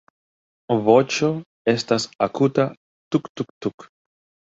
Voĉo estas akuta "tuk-tuk-tuk".